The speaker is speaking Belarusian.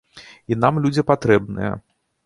І нам людзі патрэбныя.